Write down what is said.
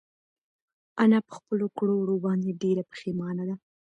انا په خپلو کړو وړو باندې ډېره پښېمانه ده.